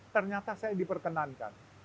ternyata saya diperkenankan